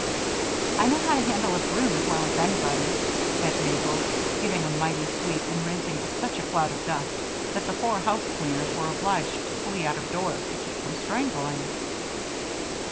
"I know how to handle a broom as well as anybody," said Mabel, giving a mighty sweep and raising such a cloud of dust that the four housecleaners were obliged to flee out of doors to keep from strangling.